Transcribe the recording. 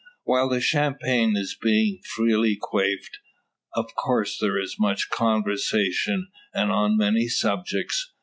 While the champagne is being freely quaffed, of course there is much conversation, and on many subjects.